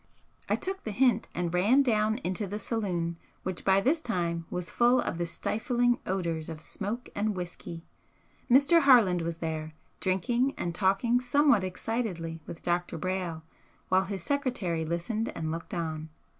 I took the hint and ran down into the saloon, which by this time was full of the stifling odours of smoke and whisky. Mr. Harland was there, drinking and talking somewhat excitedly with Dr. Brayle, while his secretary listened and looked on.